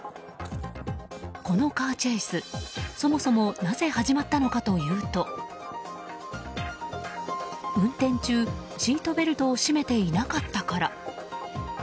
このカーチェイス、そもそもなぜ始まったのかというと運転中、シートベルトを締めていなかったから。